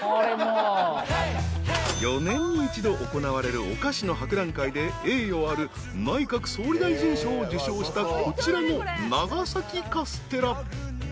［４年に一度行われるお菓子の博覧会で栄誉ある内閣総理大臣賞を受賞したこちらの長崎カステラ］